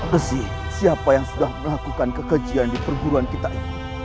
besi siapa yang sudah melakukan kekejian di perguruan kita ini